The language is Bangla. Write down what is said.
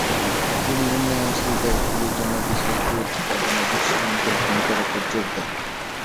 তিনি উন্নয়নশীল দেশগুলির জন্য বিশেষ গুরুত্ব প্রদানে বিশ্ব ব্যাঙ্কের ভূমিকার উপর জোর দেন।